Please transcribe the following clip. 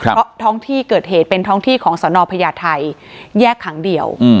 เพราะท้องที่เกิดเหตุเป็นท้องที่ของสนพญาไทยแยกขังเดียว